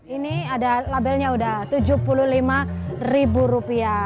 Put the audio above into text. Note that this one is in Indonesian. ini ada labelnya udah tujuh puluh lima ribu rupiah